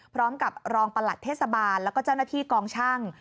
พร้อมกับรองประหลัดเทศบาลแล้วก็เจ้าหน้าที่กองช่าง